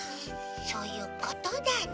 そういうことだね。